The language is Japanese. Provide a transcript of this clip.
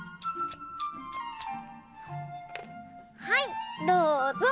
はいどうぞ！